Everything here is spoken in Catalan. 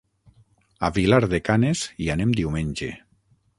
A Vilar de Canes hi anem diumenge.